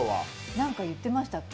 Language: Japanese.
何か言ってましたっけ？